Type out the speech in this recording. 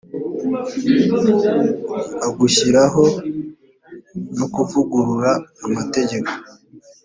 a gushyiraho no kuvugurura amategeko